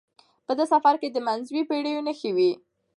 په دې سفر کې د منځنیو پیړیو نښې وې.